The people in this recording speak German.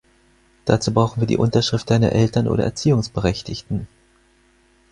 Dazu brauchen wir die Unterschrift deiner Eltern oder Erziehungsberechtigten.